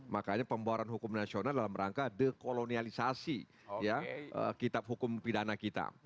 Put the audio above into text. makanya pembawaan hukum nasional dalam rangka dekolonialisasi kitab hukum pidana kita